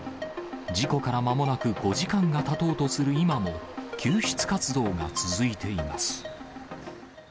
事故からまもなく５時間がたとうとする今も、救出活動が続いています。